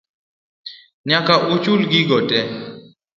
Nyaka uchul gigo tee